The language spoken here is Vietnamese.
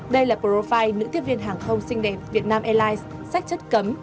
đây là profi nữ tiếp viên hàng không xinh đẹp việt nam airlines sách chất cấm